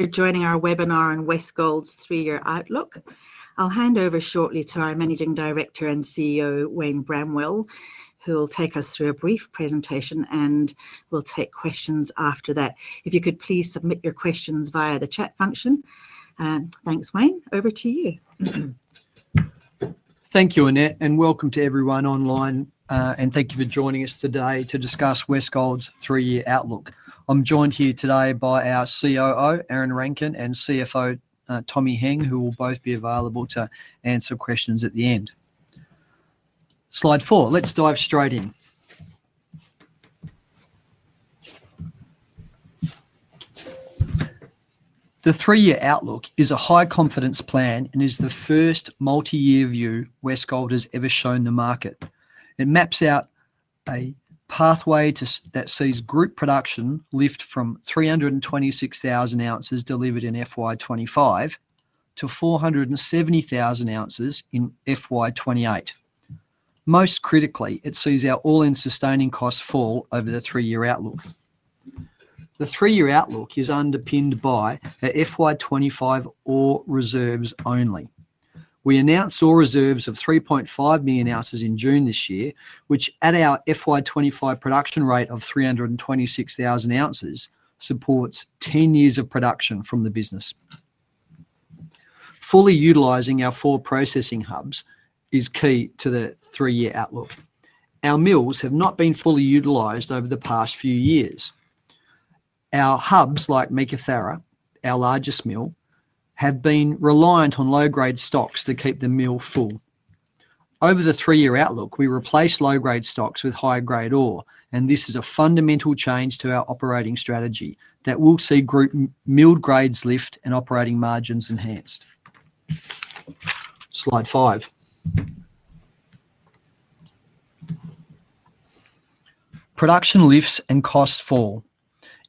You're joining our webinar on Westgold's Three-Year Outlook. I'll hand over shortly to our Managing Director and CEO, Wayne Bramwell, who will take us through a brief presentation and will take questions after that. If you could please submit your questions via the chat function. Thanks, Wayne. Over to you. Thank you, Annette, and welcome to everyone online, and thank you for joining us today to discuss Westgold's Three-Year Outlook. I'm joined here today by our COO, Aaron Rankine, and CFO, Tommy Heng, who will both be available to answer questions at the end. Slide four, let's dive straight in. The three-year outlook is a high-confidence plan and is the first multi-year view Westgold has ever shown the market. It maps out a pathway that sees group production lift from 326,000 ounces delivered in FY 2025 to 470,000 ounces in FY 2028. Most critically, it sees our all-in sustaining costs fall over the three-year outlook. The three-year outlook is underpinned by FY 2025 ore reserves only. We announced ore reserves of 3.5 million ounces in June this year, which at our FY 2025 production rate of 326,000 ounces supports 10 years of production from the business. Fully utilizing our four processing hubs is key to the three-year outlook. Our mills have not been fully utilized over the past few years. Our hubs like Meekatharra, our largest mill, have been reliant on low-grade stocks to keep the mill full. Over the three-year outlook, we replace low-grade stocks with higher-grade ore, and this is a fundamental change to our operating strategy that will see group mill grades lift and operating margins enhanced. Slide five. Production lifts and costs fall.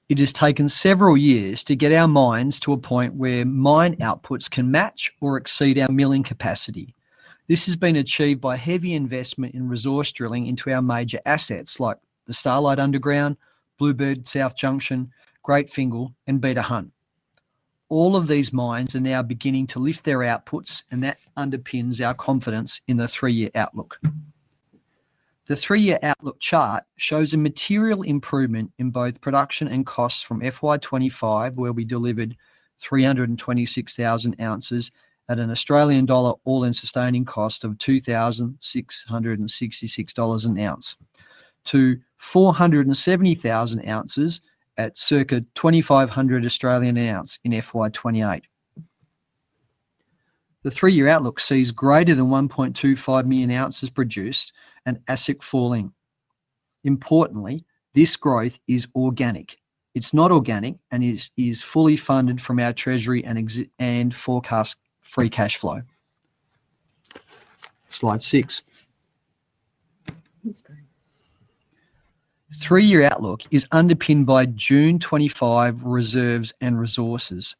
It has taken several years to get our mines to a point where mine outputs can match or exceed our milling capacity. This has been achieved by heavy investment in resource drilling into our major assets like the Starlight underground, Bluebird-South Junction, Great Fingall, and Beta Hunt. All of these mines are now beginning to lift their outputs, and that underpins our confidence in the three-year outlook. The three-year outlook chart shows a material improvement in both production and costs from FY 2025, where we delivered 326,000 ounces at an Australian dollar all-in sustaining cost of 2,666 dollars an ounce, to 470,000 ounces at circa 2,500 an ounce in FY 2028. The three-year outlook sees greater than 1.25 million ounces produced and AISC falling. Importantly, this growth is organic. It's not inorganic and is fully funded from our treasury and forecast free cash flow. Slide six. Please go ahead. The three-year outlook is underpinned by June 25 reserves and resources.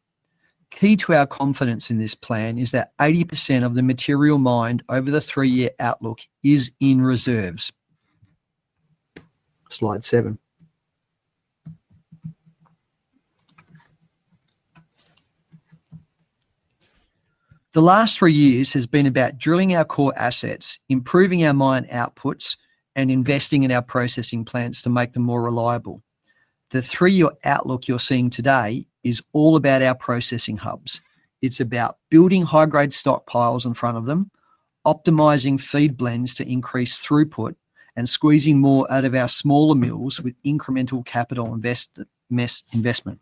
Key to our confidence in this plan is that 80% of the material mined over the three-year outlook is in reserves. Slide seven. The last three years have been about drilling our core assets, improving our mine outputs, and investing in our processing plants to make them more reliable. The three-year outlook you're seeing today is all about our processing hubs. It's about building high-grade stockpiles in front of them, optimizing feed blends to increase throughput, and squeezing more out of our smaller mills with incremental capital investment.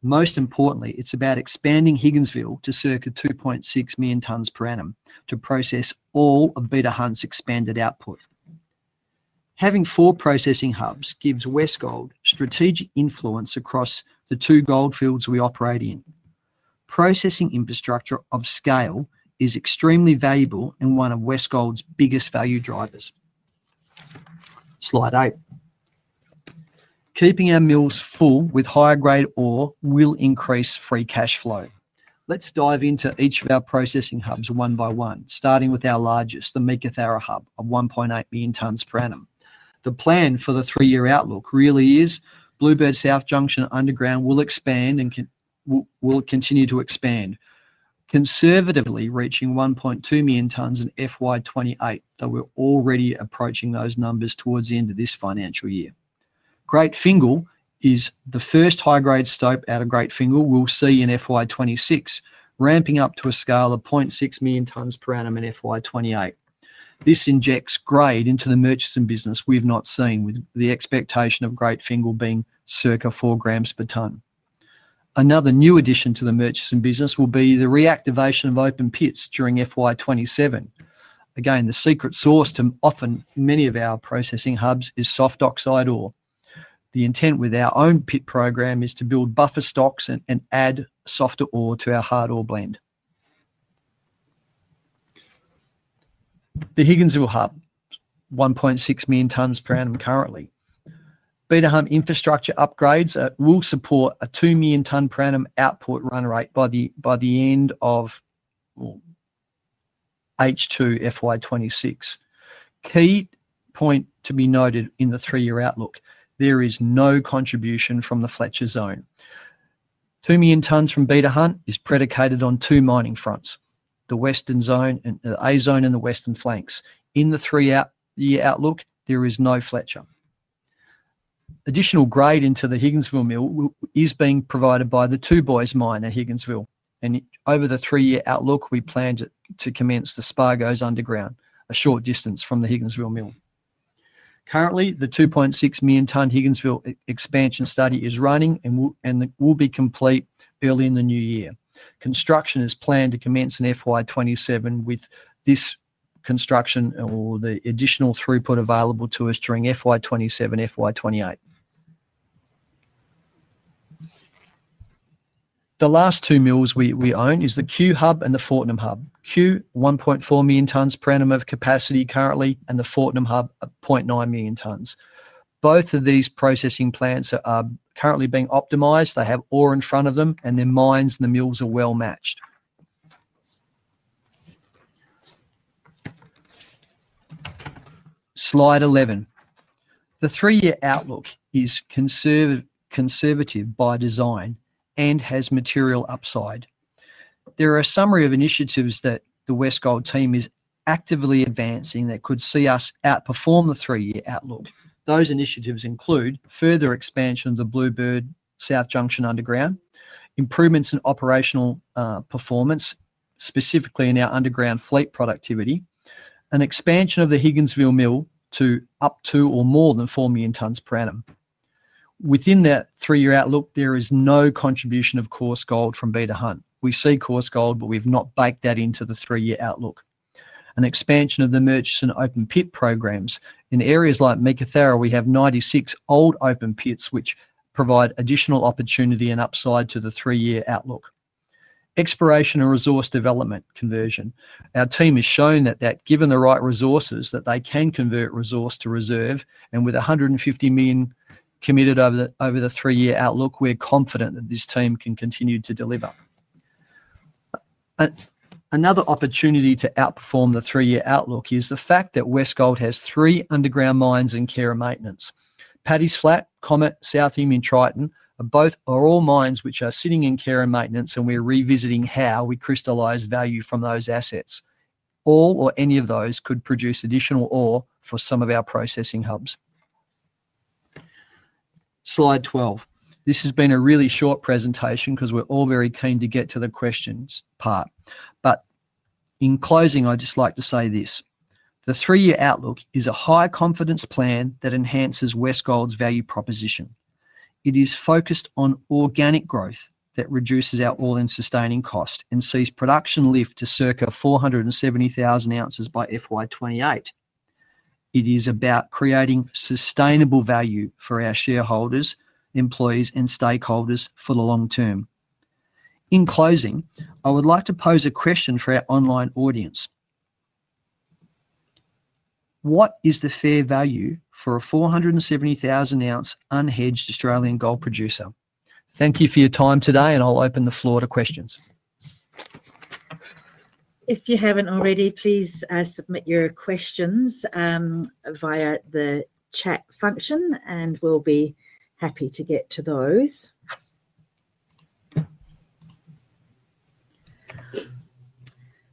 Most importantly, it's about expanding Higginsville to circa 2.6 million tons per annum to process all of Beta Hunt's expanded output. Having four processing hubs gives Westgold strategic influence across the two goldfields we operate in. Processing infrastructure of scale is extremely valuable and one of Westgold's biggest value drivers. Slide eight. Keeping our mills full with higher-grade ore will increase free cash flow. Let's dive into each of our processing hubs one by one, starting with our largest, the Meekatharra hub of 1.8 million tons per annum. The plan for the three-year outlook really is Bluebird-South Junction underground will expand and will continue to expand, conservatively reaching 1.2 million tons in FY 2028. Though we're already approaching those numbers towards the end of this financial year. Great Fingall is the first high-grade stope out of Great Fingall we'll see in FY 2026, ramping up to a scale of 0.6 million tons per annum in FY 2028. This injects grade into the merchant business we've not seen, with the expectation of Great Fingall being circa 4 g per ton. Another new addition to the merchant business will be the reactivation of open pits during FY 2027. Again, the secret sauce to often many of our processing hubs is soft oxide ore. The intent with our own pit program is to build buffer stocks and add softer ore to our hard ore blend. The Higginsville hub, 1.6 million tons per annum currently. Beta Hunt infrastructure upgrades will support a two million ton per annum output run rate by the end of H2 FY 2026. Key point to be noted in the three-year outlook, there is no contribution from the Fletcher Zone. 2 million tons from Beta Hunt is predicated on two mining fronts, the Western Zone and the A Zone and the Western Flanks. In the three-year outlook, there is no Fletcher. Additional grade into the Higginsville mill is being provided by the Two Boys mine at Higginsville. Over the three-year outlook, we plan to commence the Spargo's underground, a short distance from the Higginsville mill. Currently, the 2.6 million ton Higginsville expansion study is running and will be complete early in the new year. Construction is planned to commence in FY 2027, with this construction or the additional throughput available to us during FY 2027 and FY 2028. The last two mills we own are the Cue hub and the Fortnum hub. Cue, 1.4 million tons per annum of capacity currently, and the Fortnum hub, 0.9 million tons. Both of these processing plants are currently being optimized. They have ore in front of them, and their mines and the mills are well matched. Slide 11. The three-year outlook is conservative by design and has material upside. There are a summary of initiatives that the Westgold team is actively advancing that could see us outperform the three-year outlook. Those initiatives include further expansion of the Bluebird-South Junction underground, improvements in operational performance, specifically in our underground fleet productivity, and expansion of the Higginsville mill to up to or more than four million tons per annum. Within that three-year outlook, there is no contribution of coarse gold from Beta Hunt. We see coarse gold, but we've not baked that into the three-year outlook. An expansion of the merchants and open pit programs. In areas like Meekatharra, we have 96 old open pits, which provide additional opportunity and upside to the three-year outlook. Exploration and resource development conversion. Our team has shown that given the right resources, they can convert resource to reserve, and with 150 million committed over the three-year outlook, we're confident that this team can continue to deliver. Another opportunity to outperform the three-year outlook is the fact that Westgold has three underground mines in care and maintenance. Paddy’s Flat, Comet, South Emu, and Triton are all mines which are sitting in care and maintenance, and we're revisiting how we crystallize value from those assets. All or any of those could produce additional ore for some of our processing hubs. Slide 12. This has been a really short presentation because we're all very keen to get to the questions part. In closing, I'd just like to say this. The three-year outlook is a high-confidence plan that enhances Westgold's value proposition. It is focused on organic growth that reduces our all-in sustaining cost and sees production lift to circa 470,000 ounces by FY 2028. It is about creating sustainable value for our shareholders, employees, and stakeholders for the long term. In closing, I would like to pose a question for our online audience. What is the fair value for a 470,000-ounce unhedged Australian gold producer? Thank you for your time today, and I'll open the floor to questions. If you haven't already, please submit your questions via the chat function, and we'll be happy to get to those.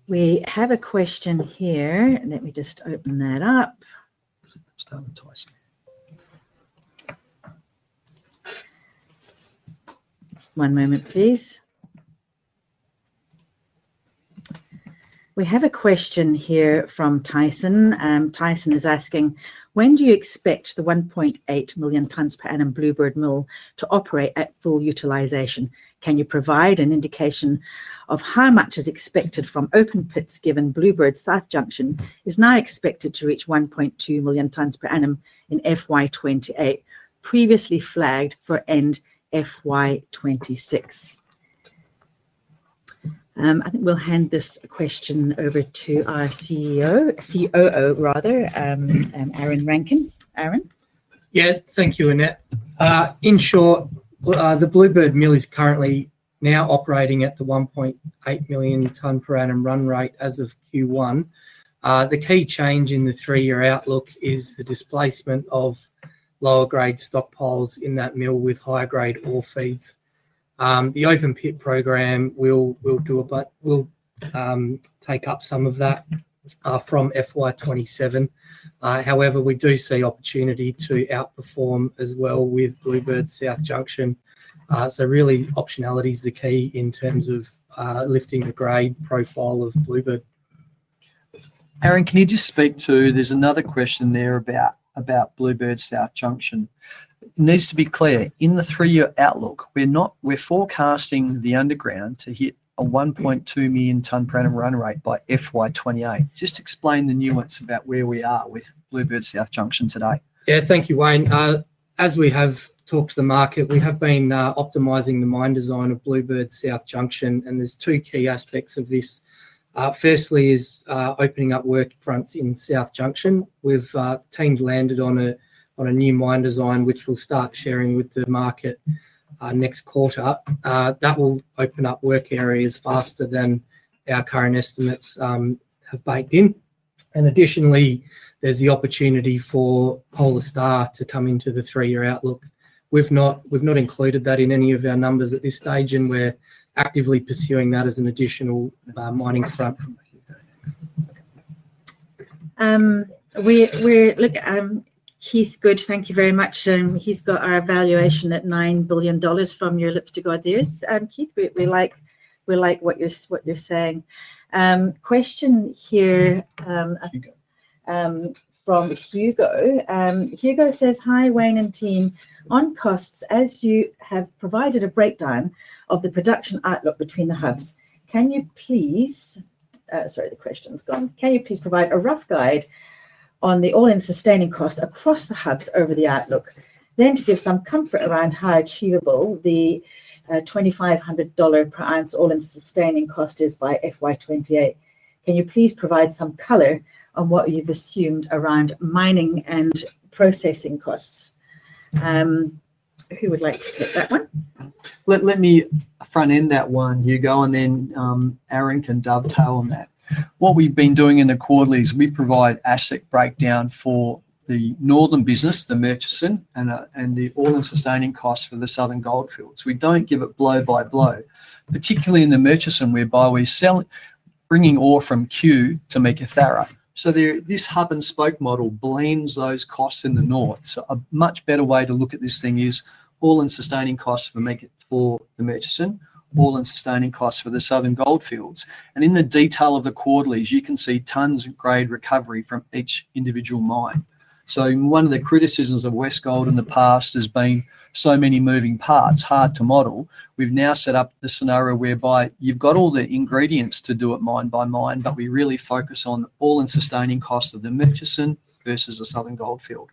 We have a question here. Let me just open that up. One moment, please. We have a question here from Tyson. Tyson is asking, when do you expect the 1.8 million tons per annum Bluebird mill to operate at full utilization? Can you provide an indication of how much is expected from open pits, given Bluebird-South Junction is now expected to reach 1.2 million tons per annum in FY 2028, previously flagged for end FY 2026? I think we'll hand this question over to our COO, Aaron Rankine. Aaron? Thank you, Annette. In short, the Bluebird mill is currently now operating at the 1.8 million ton per annum run rate as of Q1. The key change in the three-year outlook is the displacement of lower-grade stockpiles in that mill with higher-grade ore feeds. The open pit program will take up some of that from FY 2027. However, we do see opportunity to outperform as well with Bluebird-South Junction. Really, optionality is the key in terms of lifting the grade profile of Bluebird. Aaron, can you just speak to, there's another question there about Bluebird-South Junction. Needs to be clear, in the three-year outlook, we're forecasting the underground to hit a 1.2 million ton per annum run rate by FY 2028. Just explain the nuance about where we are with Bluebird-South Junction today. Yeah, thank you, Wayne. As we have talked to the market, we have been optimizing the mine design of Bluebird-South Junction, and there's two key aspects of this. Firstly is opening up work fronts in South Junction. We've landed on a new mine design, which we'll start sharing with the market next quarter. That will open up work areas faster than our current estimates have baked in. Additionally, there's the opportunity for Hole Star to come into the three-year outlook. We've not included that in any of our numbers at this stage, and we're actively pursuing that as an additional mining front. Keith, good, thank you very much. He's got our evaluation at 9 billion dollars from your lipstick ideas. Keith, we like what you're saying. Question here from Hugo. Hugo says, "Hi, Wayne and team. On costs, as you have provided a breakdown of the production outlook between the hubs, can you please provide a rough guide on the all-in sustaining cost across the hubs over the outlook? To give some comfort around how achievable the 2,500 dollar per ounce all-in sustaining cost is by FY 2028, can you please provide some color on what you've assumed around mining and processing costs?" Who would like to hit that one? Let me front-end that one, Hugo, and then Aaron can dovetail on that. What we've been doing in the quarterly is we provide asset breakdown for the northern business, the merchants, and the all-in sustaining costs for the Southern Goldfields. We don't give it blow by blow, particularly in the merchants whereby we're selling, bringing ore from Q to Meekatharra. This hub and spoke model blends those costs in the north. A much better way to look at this thing is all-in sustaining costs for the merchants, all-in sustaining costs for the Southern Goldfields. In the detail of the quarterlies, you can see tons of grade recovery from each individual mine. One of the criticisms of Westgold in the past has been so many moving parts, hard to model. We've now set up the scenario whereby you've got all the ingredients to do it mine by mine, but we really focus on all-in sustaining costs of the merchants versus the Southern Goldfields.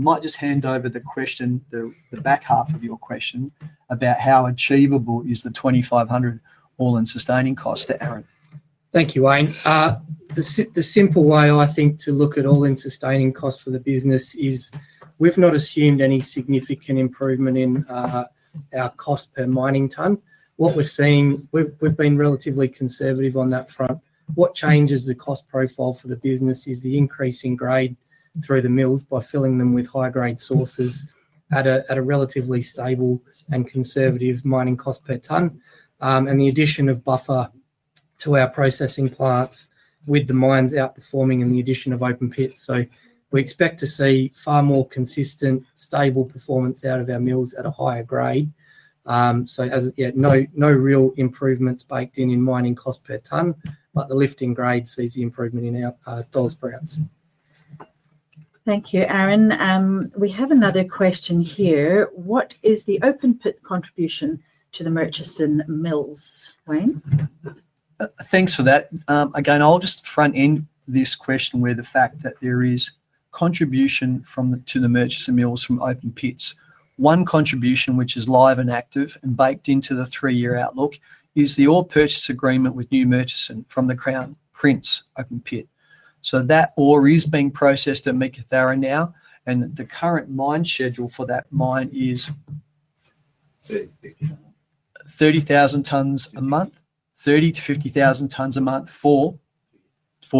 Might just hand over the question, the back half of your question about how achievable is the 2,500 all-in sustaining cost to Aaron. Thank you, Wayne. The simple way I think to look at all-in sustaining costs for the business is we've not assumed any significant improvement in our cost per mining ton. What we're seeing, we've been relatively conservative on that front. What changes the cost profile for the business is the increasing grade through the mills by filling them with high-grade sources at a relatively stable and conservative mining cost per ton. The addition of buffer to our processing plants with the mines outperforming and the addition of open pits means we expect to see far more consistent, stable performance out of our mills at a higher grade. As yet, no real improvements baked in in mining cost per ton, but the lifting grade sees the improvement in our dollar sprouts. Thank you, Aaron. We have another question here. What is the open pit contribution to the merchants and mills, Wayne? Thanks for that. Again, I'll just front-end this question with the fact that there is contribution to the merchants and mills from open pits. One contribution which is live and active and baked into the three-year outlook is the ore purchase agreement with new merchants from the Crown Prince open pit. That ore is being processed at Meekatharra now, and the current mine schedule for that mine is 30,000 tons a month, 30,000 tons-50,000 tons a month for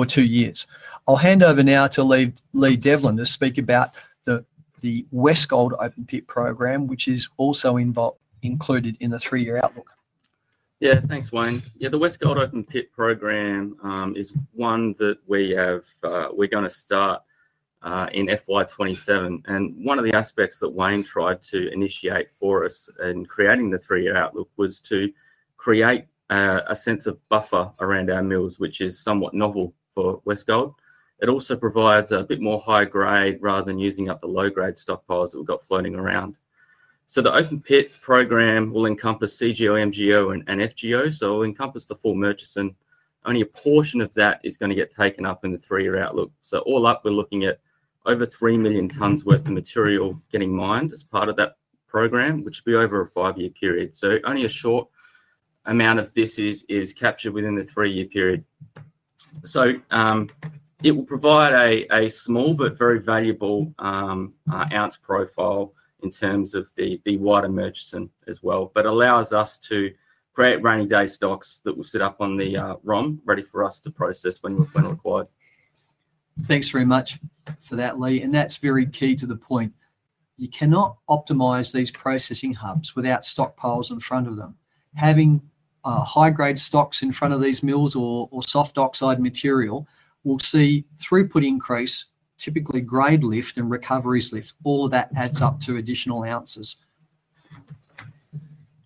two years. I'll hand over now to Leigh Devlin to speak about the Westgold open pit program, which is also included in the three-year outlook. Yeah, thanks, Wayne. The Westgold open pit program is one that we're going to start in FY 2027. One of the aspects that Wayne tried to initiate for us in creating the three-year outlook was to create a sense of buffer around our mills, which is somewhat novel for Westgold. It also provides a bit more high grade rather than using up the low grade stockpiles that we've got floating around. The open pit program will encompass CGO, MGO, and FGO, so it will encompass the full merchants. Only a portion of that is going to get taken up in the three-year outlook. All up, we're looking at over 3 million tons' worth of material getting mined as part of that program, which will be over a five-year period. Only a short amount of this is captured within the three-year period. It will provide a small but very valuable ounce profile in terms of the wider merchants as well, but allows us to create rainy day stocks that will sit up on the ROM ready for us to process when required. Thanks very much for that, Leigh, and that's very key to the point. You cannot optimize these processing hubs without stockpiles in front of them. Having high grade stocks in front of these mills or soft oxide material will see throughput increase, typically grade lift and recoveries lift. All that adds up to additional ounces.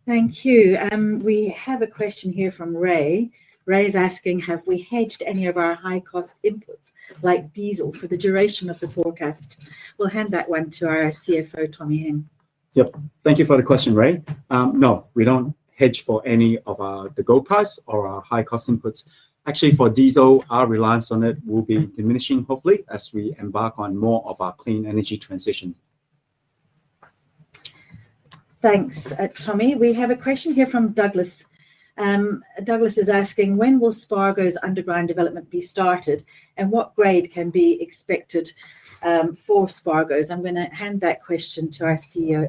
Thank you. We have a question here from Ray. Ray is asking, have we hedged any of our high cost inputs like diesel for the duration of the forecast? We'll hand that one to our CFO, Tommy Heng. Yep, thank you for the question, Ray. No, we don't hedge for any of the gold price or our high cost inputs. Actually, for diesel, our reliance on it will be diminishing hopefully as we embark on more of our clean energy transition. Thanks, Tommy. We have a question here from Douglas. Douglas is asking, when will Spargo's underground development be started and what grade can be expected for Spargo's? I'm going to hand that question to our COO,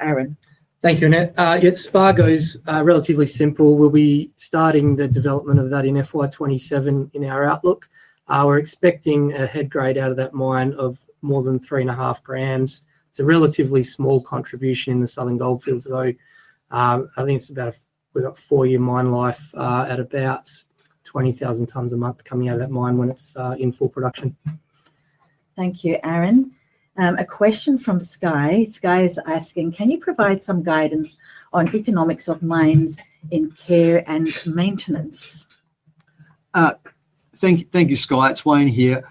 Aaron. Thank you, Annette. Yeah, Spargo's relatively simple. We'll be starting the development of that in FY 2027 in our outlook. We're expecting a head grade out of that mine of more than 3.5 g. It's a relatively small contribution in the Southern Goldfields, though. I think it's about a four-year mine life at about 20,000 tons a month coming out of that mine when it's in full production. Thank you, Aaron. A question from Sky. Sky is asking, can you provide some guidance on economics of mines in care and maintenance? Thank you, Sky. It's Wayne here.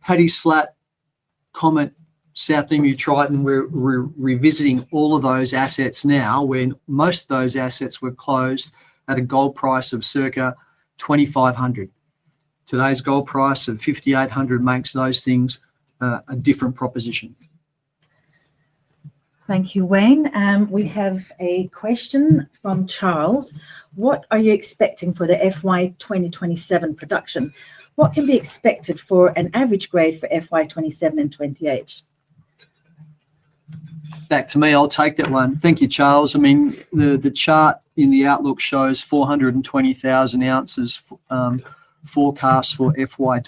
Paddy’s Flat, Comet, South Emu, Triton, we're revisiting all of those assets now. When most of those assets were closed at a gold price of around 2,500, today's gold price of 5,800 makes those things a different proposition. Thank you, Wayne. We have a question from Charles. What are you expecting for the FY 2027 production? What can be expected for an average grade for FY 2027 and FY 2028? Back to me, I'll take that one. Thank you, Charles. I mean, the chart in the outlook shows 420,000 ounces forecast for FY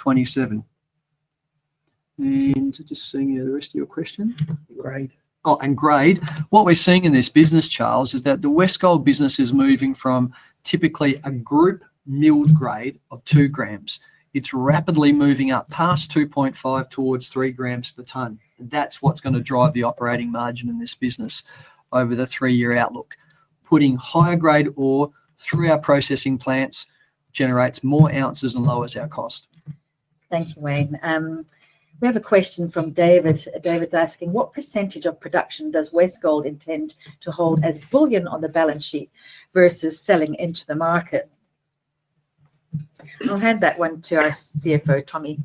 2027. Just seeing the rest of your question. Grade. Oh, and grade. What we're seeing in this business, Charles, is that the Westgold business is moving from typically a group milled grade of 2 g. It's rapidly moving up past 2.5 g per ton towards 3 g per ton. That's what's going to drive the operating margin in this business over the three-year outlook. Putting higher grade ore through our processing plants generates more ounces and lowers our cost. Thank you, Wayne. We have a question from David. David's asking, what percentage of production does Westgold intend to hold as a full in on the balance sheet versus selling into the market? I'll hand that one to our CFO, Tommy.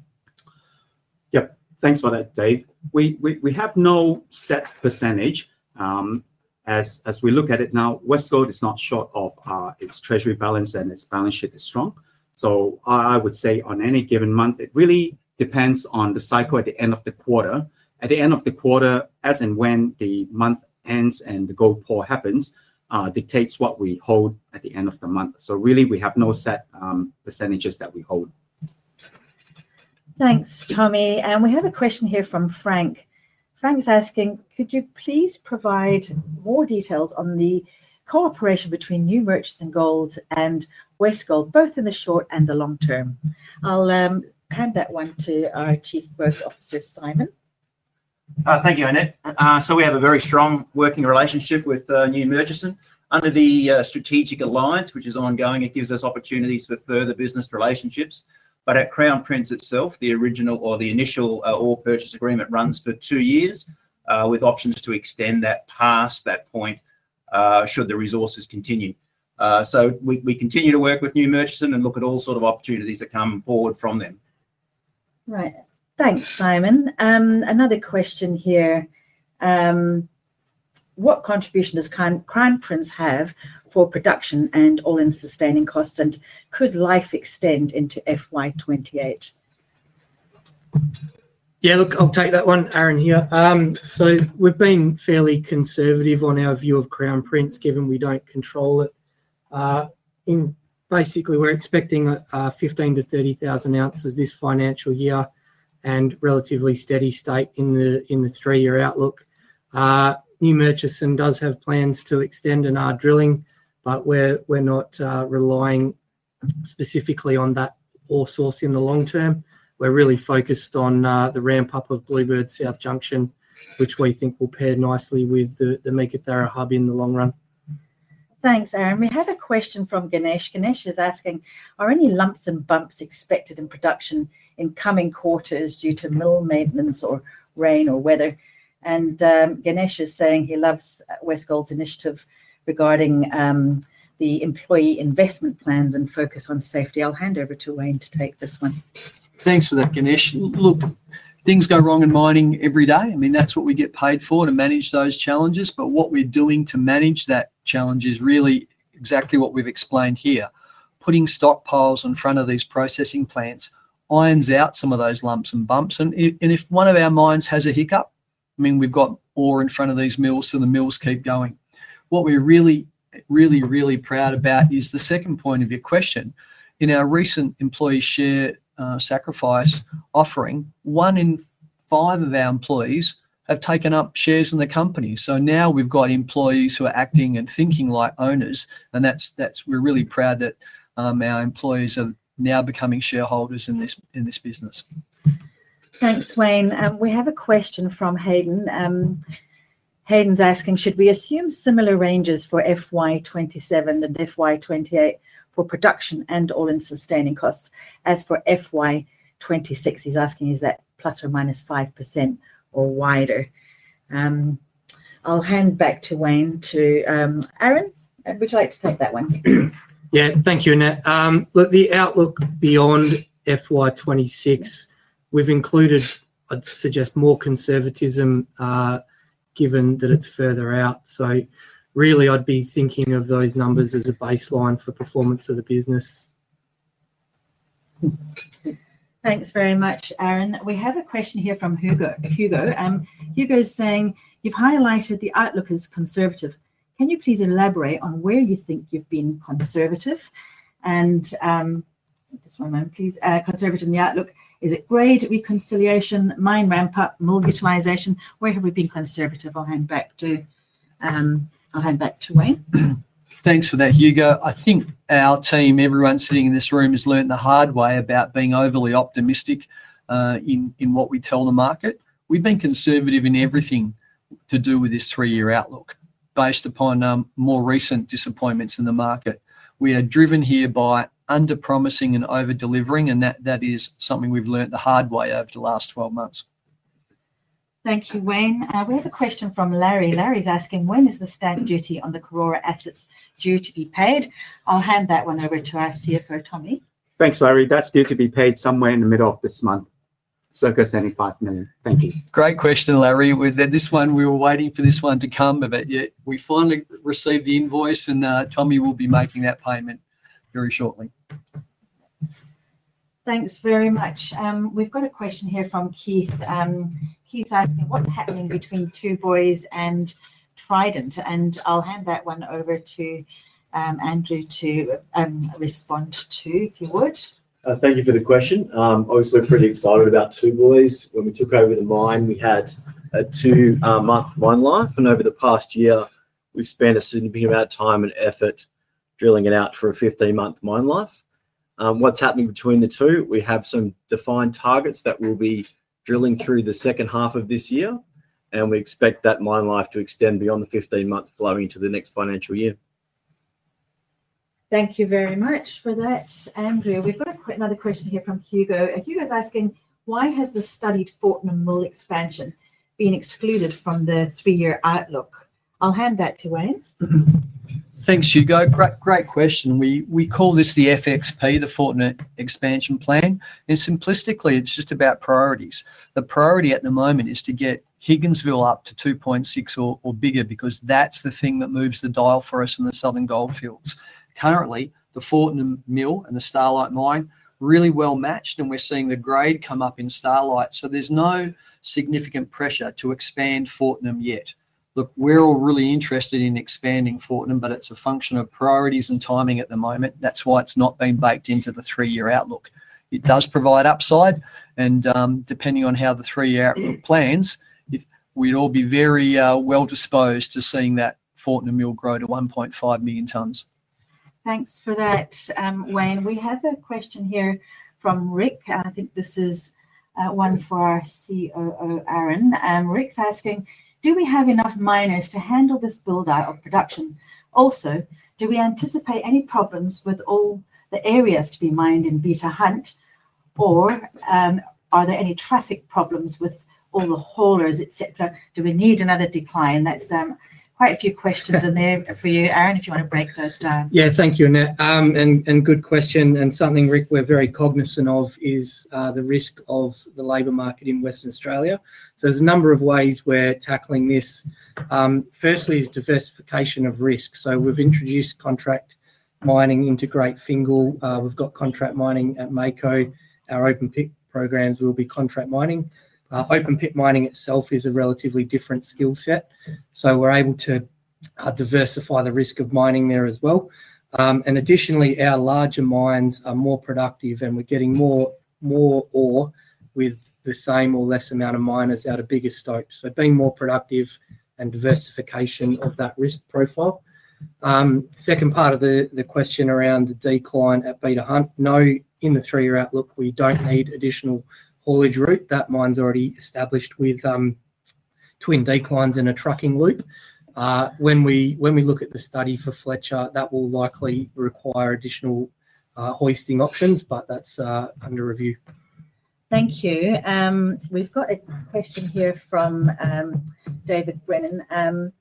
Yeah, thanks for that, David. We have no set percentage. As we look at it now, Westgold is not short of its treasury balance and its balance sheet is strong. I would say on any given month, it really depends on the cycle at the end of the quarter. At the end of the quarter, as and when the month ends and the gold pour happens, it dictates what we hold at the end of the month. We have no set percentage that we hold. Thanks, Tommy. We have a question here from Frank. Frank's asking, could you please provide more details on the cooperation between new merchants and gold and Westgold, both in the short and the long term? I'll hand that one to our Chief Growth Officer, Simon. Thank you, Annette. We have a very strong working relationship with new merchants under the strategic alliance, which is ongoing. It gives us opportunities for further business relationships. At Crown Prince itself, the original or the initial ore purchase agreement runs for two years, with options to extend that past that point should the resources continue. We continue to work with new merchants and look at all sorts of opportunities that come forward from them. Right. Thanks, Simon. Another question here. What contribution does Crown Prince have for production and all-in sustaining costs, and could life extend into FY 2028? Yeah, look, I'll take that one. Aaron here. We've been fairly conservative on our view of Crown Prince, given we don't control it. Basically, we're expecting 15,000 ounces-30,000 ounces this financial year and a relatively steady state in the three-year outlook. New merchants does have plans to extend in our drilling, but we're not relying specifically on that ore source in the long term. We're really focused on the ramp-up of Bluebird-South Junction, which we think will pair nicely with the Meekatharra hub in the long run. Thanks, Aaron. We have a question from Ganesh. Ganesh is asking, are any lumps and bumps expected in production in coming quarters due to mill maintenance or rain or weather? Ganesh is saying he loves Westgold's initiative regarding the employee investment plans and focus on safety. I'll hand over to Wayne to take this one. Thanks for that, Ganesh. Things go wrong in mining every day. I mean, that's what we get paid for, to manage those challenges. What we're doing to manage that challenge is really exactly what we've explained here. Putting stockpiles in front of these processing plants irons out some of those lumps and bumps. If one of our mines has a hiccup, we've got ore in front of these mills, so the mills keep going. What we're really, really, really proud about is the second point of your question. In our recent employee share sacrifice offering, one in five of our employees have taken up shares in the company. Now we've got employees who are acting and thinking like owners. We're really proud that our employees are now becoming shareholders in this business. Thanks, Wayne. We have a question from Hayden. Hayden's asking, should we assume similar ranges for FY 2027 and FY 2028 for production and all-in sustaining costs? As for FY 2026, he's asking, is that ±5% or wider? I'll hand back to Wayne to Aaron. Would you like to take that one? Thank you, Annette. Look, the outlook beyond FY 2026, we've included, I'd suggest, more conservatism given that it's further out. I'd be thinking of those numbers as a baseline for performance of the business. Thanks very much, Aaron. We have a question here from Hugo. Hugo's saying, you've highlighted the outlook as conservative. Can you please elaborate on where you think you've been conservative? Conservative in the outlook, is it grade reconciliation, mine ramp-up, mill utilization? Where have we been conservative? I'll hand back to Wayne. Thanks for that, Hugo. I think our team, everyone sitting in this room, has learned the hard way about being overly optimistic in what we tell the market. We've been conservative in everything to do with this three-year outlook, based upon more recent disappointments in the market. We are driven here by underpromising and overdelivering, and that is something we've learned the hard way over the last 12 months. Thank you, Wayne. We have a question from Larry. Larry's asking, when is the staff duty on the Karora assets due to be paid? I'll hand that one over to our CFO, Tommy. Thanks, Larry. That's due to be paid somewhere in the middle of this month, circa 75 million. Thank you. Great question, Larry. We were waiting for this one to come, but we finally received the invoice, and Tommy will be making that payment very shortly. Thanks very much. We've got a question here from Keith. Keith asked, what's happening between Two Boys and Triton? I'll hand that one over to Andrew to respond to, if you would. Thank you for the question. Obviously, we're pretty excited about Two Boys. When we took over the mine, we had a two-month mine life, and over the past year, we spent a significant amount of time and effort drilling it out for a 15-month mine life. What's happening between the two? We have some defined targets that we'll be drilling through the second half of this year, and we expect that mine life to extend beyond the 15 months, flowing into the next financial year. Thank you very much for that, Andrew. We've got another question here from Hugo. Hugo's asking, why has the studied Fortnum mill expansion been excluded from the three-year outlook? I'll hand that to Wayne. Thanks, Hugo. Great question. We call this the FXP, the Fortnum Expansion Plan. Simplistically, it's just about priorities. The priority at the moment is to get Higginsville up to 2.6 million tons per annum or bigger because that's the thing that moves the dial for us in the Southern Goldfields. Currently, the Fortnum mill and the Starlight mine are really well matched, and we're seeing the grade come up in Starlight. There's no significant pressure to expand Fortnum yet. We're all really interested in expanding Fortnum, but it's a function of priorities and timing at the moment. That's why it's not being baked into the three-year outlook. It does provide upside, and depending on how the three-year plans, we'd all be very well disposed to seeing that Fortnum mill grow to 1.5 million tons. Thanks for that, Wayne. We have a question here from Rick. I think this is one for our COO, Aaron. Rick's asking, do we have enough miners to handle this build-out of production? Also, do we anticipate any problems with all the areas to be mined in Beta Hunt, or are there any traffic problems with all the haulers, etc.? Do we need another decline? That's quite a few questions in there for you, Aaron, if you want to break those down. Yeah, thank you, Annette. Good question. Something, Rick, we're very cognizant of is the risk of the labor market in Western Australia. There are a number of ways we're tackling this. Firstly, diversification of risk. We've introduced contract mining into Great Fingall. We've got contract mining at Mako. Our open pit programs will be contract mining. Open pit mining itself is a relatively different skill set. We're able to diversify the risk of mining there as well. Additionally, our larger mines are more productive, and we're getting more ore with the same or less amount of miners out of bigger stopes. Being more productive and diversification of that risk profile. The second part of the question around the decline at Beta Hunt. No, in the three-year outlook, we don't need additional haulage route. That mine's already established with twin declines in a trucking loop. When we look at the study for Fletcher, that will likely require additional hoisting options, but that's under review. Thank you. We've got a question here from David Brennan.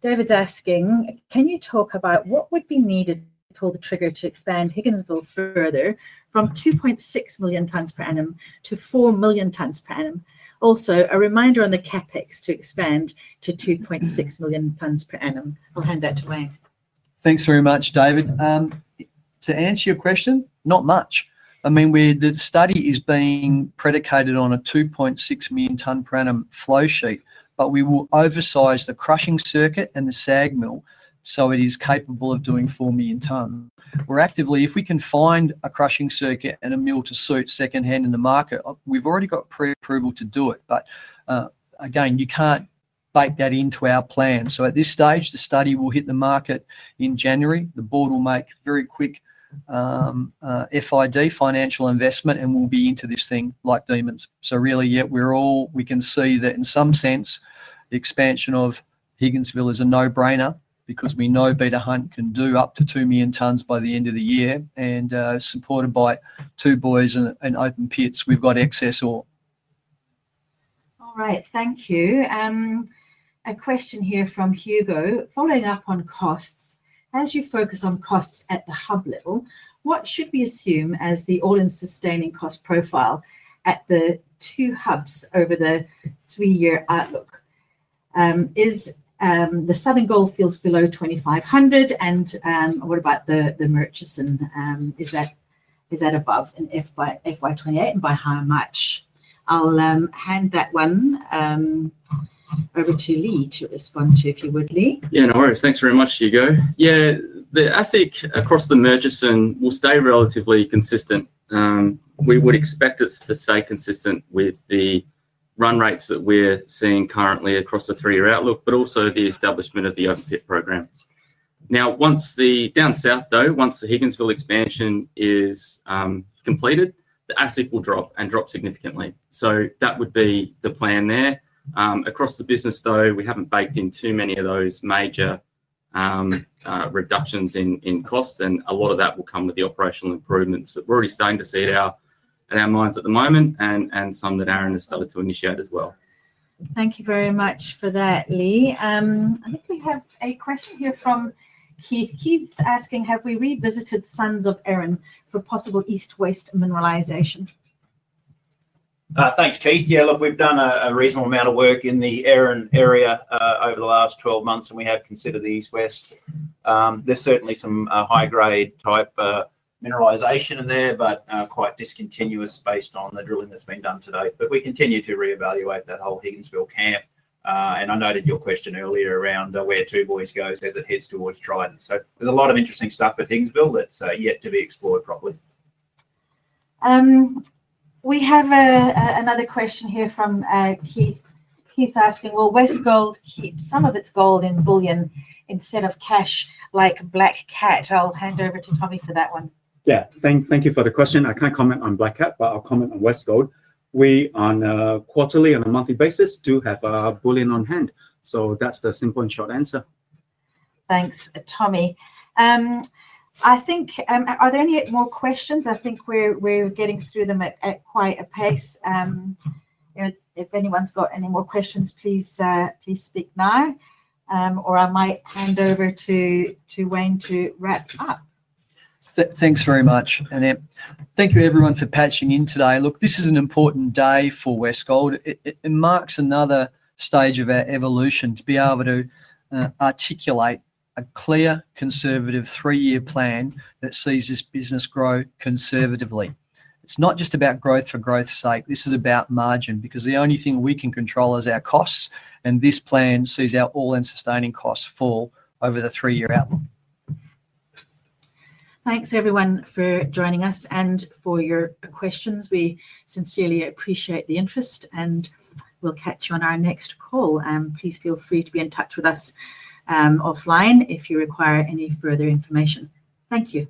David's asking, can you talk about what would be needed to pull the trigger to expand Higginsville further from 2.6 million tons per annum to 4 million tons per annum? Also, a reminder on the CapEx to expand to 2.6 million tons per annum. I'll hand that to Wayne. Thanks very much, David. To answer your question, not much. I mean, the study is being predicated on a 2.6 million ton per annum flow sheet, but we will oversize the crushing circuit and the SAG mill so it is capable of doing 4 million ton. We're actively, if we can find a crushing circuit and a mill to suit secondhand in the market, we've already got pre-approval to do it. You can't bake that into our plan. At this stage, the study will hit the market in January. The board will make very quick FID financial investment and we'll be into this thing like demons. Really, yeah, we can see that in some sense, the expansion of Higginsville is a no-brainer because we know Beta Hunt can do up to 2 million tons by the end of the year. Supported by Two Boys and open pits, we've got excess ore. All right, thank you. A question here from Hugo. Following up on costs, as you focus on costs at the hub level, what should we assume as the all-in sustaining cost profile at the two hubs over the three-year outlook? Is the Southern Goldfields below 2,500 and what about the merchants? Is that above in FY 2028 and by how much? I'll hand that one over to Leigh to respond to, if you would, Leigh. Yeah, no worries. Thanks very much, Hugo. The asset across the merchants will stay relatively consistent. We would expect us to stay consistent with the run rates that we're seeing currently across the three-year outlook, but also the establishment of the open pit programs. Once the down south, though, once the Higginsville expansion is completed, the asset will drop and drop significantly. That would be the plan there. Across the business, we haven't baked in too many of those major reductions in costs, and a lot of that will come with the operational improvements that we're already starting to see at our mines at the moment and some that Aaron has started to initiate as well. Thank you very much for that, Leigh. I think we have a question here from Keith. Keith's asking, have we revisited sans of Aaron for possible east-west mineralization? Thanks, Keith. Yeah, look, we've done a reasonable amount of work in the Aaron area over the last 12 months, and we have considered the east-west. There's certainly some high-grade type mineralization in there, but quite discontinuous based on the drilling that's been done to date. We continue to reevaluate that whole Higginsville camp. I noted your question earlier around where Two Boys goes as it heads towards Trident. There's a lot of interesting stuff at Higginsville that's yet to be explored properly. We have another question here from Keith. Keith's asking, will Westgold keep some of its gold in bullion instead of cash, like Black Cat? I'll hand over to Tommy for that one. Yeah, thank you for the question. I can't comment on Black Cat, but I'll comment on Westgold. We, on a quarterly and a monthly basis, do have a bullion on hand. That's the simple and short answer. Thanks, Tommy. I think, are there any more questions? I think we're getting through them at quite a pace. If anyone's got any more questions, please speak now, or I might hand over to Wayne to wrap up. Thanks very much. Thank you, everyone, for patching in today. Look, this is an important day for Westgold. It marks another stage of our evolution to be able to articulate a clear, conservative three-year plan that sees this business grow conservatively. It's not just about growth for growth's sake. This is about margin because the only thing we can control is our costs, and this plan sees our all-in sustaining costs fall over the three-year outlook. Thanks, everyone, for joining us and for your questions. We sincerely appreciate the interest, and we'll catch you on our next call. Please feel free to be in touch with us offline if you require any further information. Thank you.